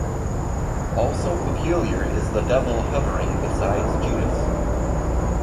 Also peculiar is the Devil hovering besides Judas.